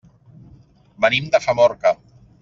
Venim de Famorca.